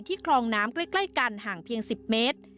คลองน้ำใกล้กันห่างเพียง๑๐เมตร